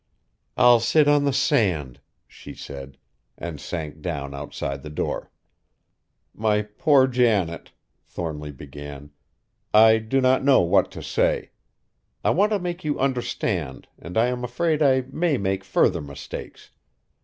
"I'll sit on the sand," she said, and sank down outside the door. "My poor Janet," Thornly began, "I do not know what to say. I want to make you understand and I am afraid I may make further mistakes.